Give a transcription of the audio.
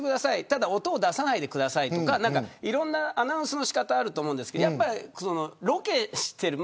ただ音を出さないでくださいとかいろんなアナウンスの仕方あると思うんですがロケしている。